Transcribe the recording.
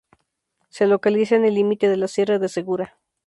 Se localiza en el límite de la Sierra de Segura.